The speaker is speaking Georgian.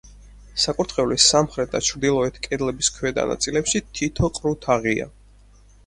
საკურთხევლის სამხრეთ და ჩრდილოეთ კედლების ქვედა ნაწილებში თითო ყრუ თაღია.